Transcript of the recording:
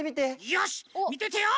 よしみててよ！